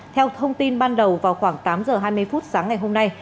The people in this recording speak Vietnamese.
theo thông tin ban đầu vào khoảng tám giờ hai mươi phút sáng ngày hôm nay